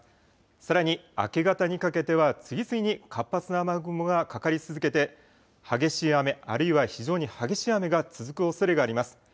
さらに明け方にかけては次々に活発な雨雲がかかり続けて激しい雨、あるいは非常に激しい雨が続くおそれがあります。